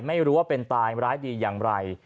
ไม่รู้ว่าเป็นตายร้ายดีอย่างไร